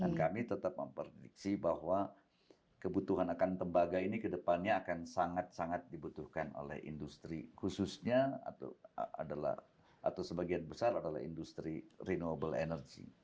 dan kami tetap memprediksi bahwa kebutuhan akan tembaga ini kedepannya akan sangat sangat dibutuhkan oleh industri khususnya atau adalah atau sebagian besar adalah industri renewable energy